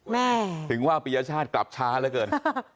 แม่ถึงว่าปริญญาชาติกลับช้าแล้วกัน